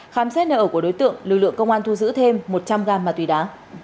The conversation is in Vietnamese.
khám xét nợ của đối tượng lực lượng công an thu giữ thêm một trăm linh g ma túy đá